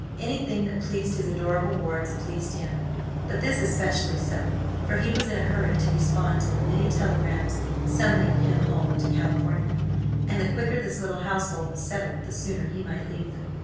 Anything that pleased his adorable wards pleased him, but this especially so, for he was in a hurry to respond to the many telegrams summoning him home to California, and the quicker this little household was settled, the sooner he might leave them.